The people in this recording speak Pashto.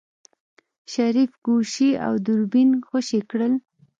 شريف ګوشي او دوربين خوشې کړل.